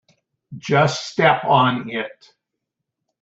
Just step on it.